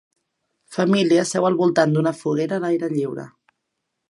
Família seu al voltant d'una foguera a l'aire lliure.